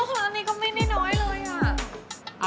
อันนี้ก็ไม่น้อยเลย